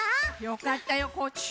よかったよ。